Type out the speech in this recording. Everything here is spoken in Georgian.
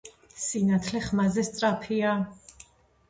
სინათლე ხმაზე სწაფია